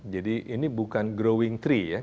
jadi ini bukan growing tree ya